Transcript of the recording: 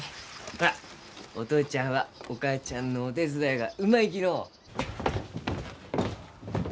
ほらお父ちゃんはお母ちゃんのお手伝いがうまいきのう。